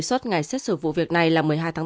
xuất ngày xét xử vụ việc này là một mươi hai tháng tám